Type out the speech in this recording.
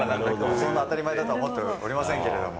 そんな当たり前だと思っておりませんけれども。